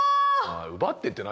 「奪って」って何？